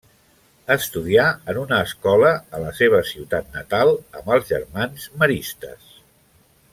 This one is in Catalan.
Estudià en una escola a la seva ciutat natal amb els Germans Maristes.